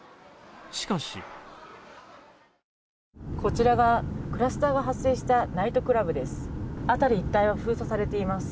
しかしこちらがクラスターが発生したナイトクラブです。